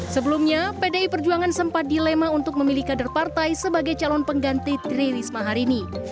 sebelumnya pdi perjuangan sempat dilema untuk memilih kader partai sebagai calon pengganti tri risma hari ini